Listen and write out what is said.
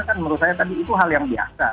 menurut saya itu hal yang biasa